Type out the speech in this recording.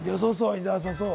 伊沢さん、そう。